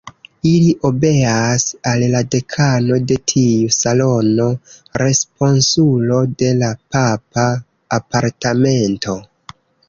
Ili obeas al la dekano de tiu salono, responsulo de la papa apartamento.